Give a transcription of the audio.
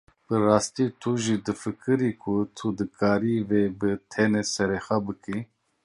Bi rastî jî tu difikirî ku tu dikarî vê bi tena serê xwe bikî?